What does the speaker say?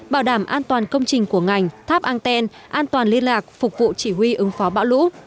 bảo đảm an toàn công trình của ngành tháp anten an toàn liên lạc phục vụ chỉ huy ứng phó bão lũ